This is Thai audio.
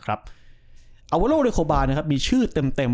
อาวโวเลโคาเบามีชื่อเต็ม